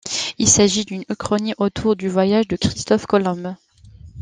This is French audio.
Il s'agit d’une uchronie autour du voyage de Christophe Colomb.